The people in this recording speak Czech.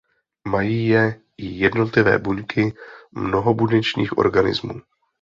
Mají je i jednotlivé buňky mnohobuněčných organismů.